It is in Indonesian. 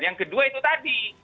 yang kedua itu tadi